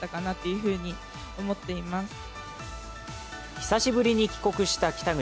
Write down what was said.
久しぶりに帰国した北口。